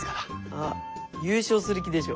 あっ優勝する気でしょ。